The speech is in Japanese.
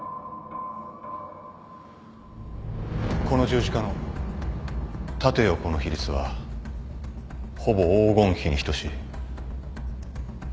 この十字架の縦横の比率はほぼ黄金比に等しい。